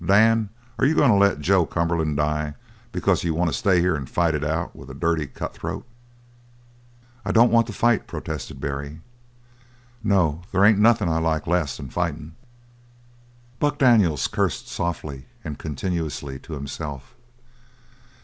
Dan, are you goin' to let Joe Cumberland die because you want to stay here and fight it out with a dirty cutthroat?" "I don't want to fight," protested Barry. "No, there ain't nothin' I like less than fightin'!" Buck Daniels cursed softly and continuously to himself.